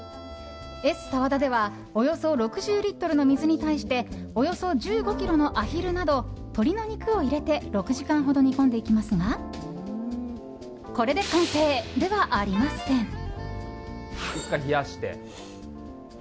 エスサワダではおよそ６０リットルの水に対しておよそ１５ｋｇのアヒルなど鳥の肉を入れて６時間ほど煮込んでいきますがこれで完成ではありません。